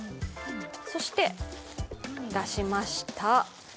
そして、出しました。